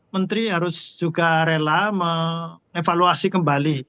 menteri harus juga rela mengevaluasi kembali